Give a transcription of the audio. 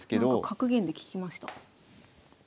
格言で聞きました。